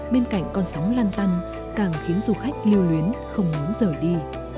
bên cạnh con sóng lan tăn càng khiến du khách lưu luyến không muốn rời đi